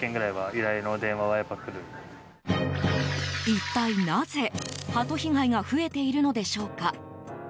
一体なぜ、ハト被害が増えているのでしょうか？